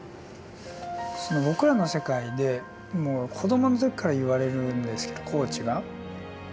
その僕らの世界でもう子どもの時から言われるんですけどコーチが。